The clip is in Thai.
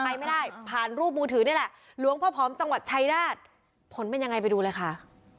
ชัยราชผลเป็นยังไงไปดูเลยค่ะ